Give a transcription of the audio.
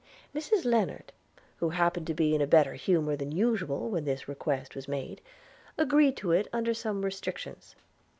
Mrs Lennard, who happened to be in a better humour than usual when this request was made, agreed to it under some restrictions.